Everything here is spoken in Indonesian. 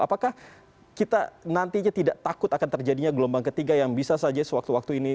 apakah kita nantinya tidak takut akan terjadinya gelombang ketiga yang bisa saja sewaktu waktu ini